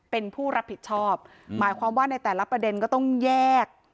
เป็นผู้รับผิดชอบหมายความว่าในแต่ละประเด็นก็ต้องแยก